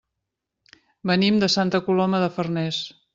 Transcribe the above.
Venim de Santa Coloma de Farners.